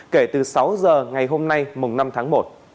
kể từ sáu giờ ngày hôm nay mùng năm tháng một